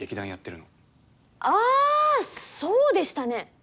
あそうでしたね。